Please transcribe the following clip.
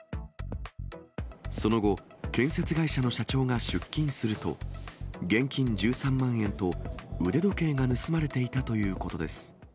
その後、建設会社の社長が出勤すると、現金１３万円と腕時計が盗まれていたということです。